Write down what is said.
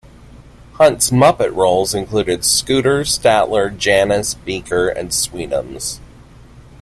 Hunt's Muppet roles included Scooter, Statler, Janice, Beaker and Sweetums.